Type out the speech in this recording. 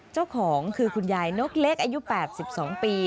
เจ้าของคือคุณยายนกเล็กอายุ๘๒ปี